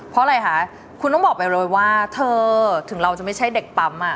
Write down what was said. เพราะอะไรคะคุณต้องบอกไปเลยว่าเธอถึงเราจะไม่ใช่เด็กปั๊ม